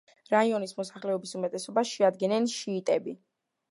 რაიონის მოსახლეობის უმეტესობას შეადგენენ შიიტები.